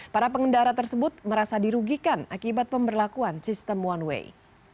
para pengendara tersebut merasa dirugikan akibat pemberlakuan sistem one way